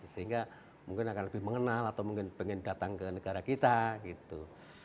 sehingga mungkin akan lebih mengenal atau mungkin pengen datang ke negara kita gitu